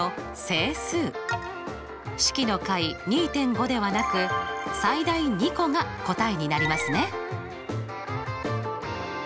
式の解２．５ではなく最大２個が答えになりますね。